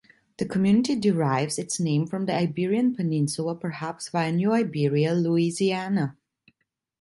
The community derives its name from the Iberian Peninsula perhaps via New Iberia, Louisiana.